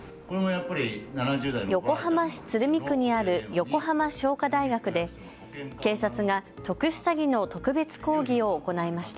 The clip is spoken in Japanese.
横浜市鶴見区にある横浜商科大学で警察が特殊詐欺の特別講義を行いました。